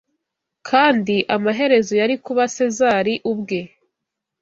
Kandi amaherezo yari kuba Sezari ubwe